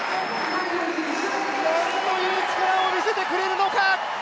なんという力を見せてくれるのか！